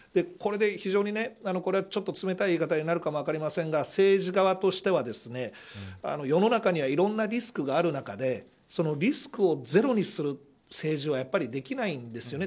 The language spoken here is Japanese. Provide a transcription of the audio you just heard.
これで非常にこれはちょっと冷たい言い方になるかもしれませんが政治側としては世の中にはいろんなリスクがある中でリスクをゼロにする政治はやっぱりできないんです。